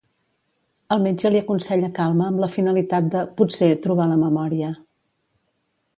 El metge li aconsella calma amb la finalitat de, potser, trobar la memòria.